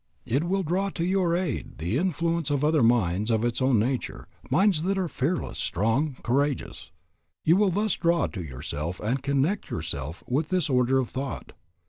It will draw to your aid the influence of other minds of its own nature, minds that are fearless, strong, courageous. You will thus draw to yourself and connect yourself with this order of thought.